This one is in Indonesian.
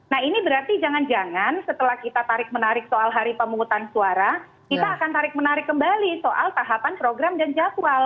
nah ini berarti jangan jangan setelah kita tarik menarik soal hari pemungutan suara kita akan tarik menarik kembali soal tahapan program dan jadwal